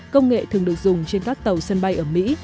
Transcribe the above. công nghệ thường được dùng trên các tàu sân bay ở mỹ